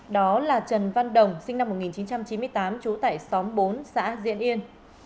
đó là trần văn đồng sinh năm một nghìn chín trăm chín mươi tám trú tại xóm bốn xã diễn yên